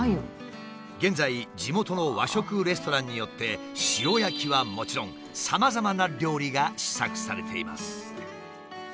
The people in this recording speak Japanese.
現在地元の和食レストランによって塩焼きはもちろんさまざまな料理が試作されています。